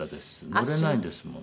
乗れないんですもん。